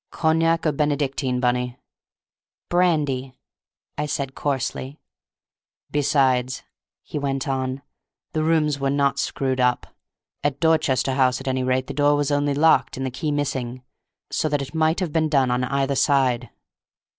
"Cognac or Benedictine, Bunny?" "Brandy," I said, coarsely. "Besides," he went on, "the rooms were not screwed up; at Dorchester House, at any rate, the door was only locked, and the key missing, so that it might have been done on either side."